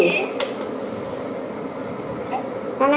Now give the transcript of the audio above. mẹ cho anh hai